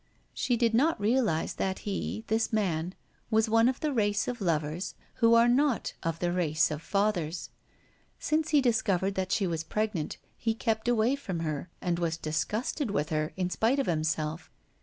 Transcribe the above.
She did not realize that he this man was one of the race of lovers who are not of the race of fathers. Since he discovered that she was pregnant, he kept away from her, and was disgusted with her, in spite of himself.